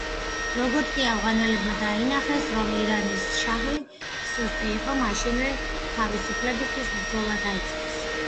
როგორც კი ავღანელებმა დაინახეს, რომ ირანის შაჰი სუსტი იყო, მაშინვე თავისუფლებისათვის ბრძოლა დაიწყეს.